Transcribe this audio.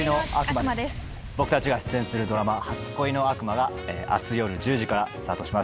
僕たちが出演するドラマ『初恋の悪魔』が明日夜１０時からスタートします。